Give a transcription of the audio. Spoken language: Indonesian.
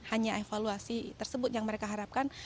hanya evaluasi tersebut yang mereka harapkan